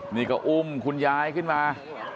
นี่ก็อุ้มคุณยายขึ้นมา